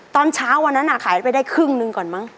ตอนเช้าวันนั้นขายไปได้ครึ่งหนึ่งก่อนมั้ง